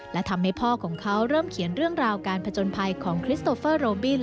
และทำให้พ่อของเขาเริ่มเขียนเรื่องราวการผจญภัยของคริสโตเฟอร์โรบิน